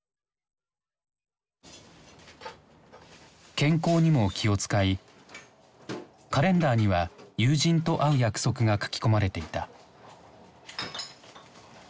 健康にも気を遣いカレンダーには友人と会う約束が書き込まれていた。